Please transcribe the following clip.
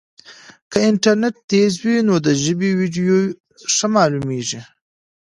که انټرنیټ تېز وي نو د ژبې ویډیو ښه معلومېږي.